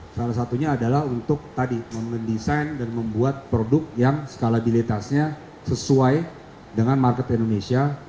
salah satunya adalah untuk tadi mendesain dan membuat produk yang skalabilitasnya sesuai dengan market indonesia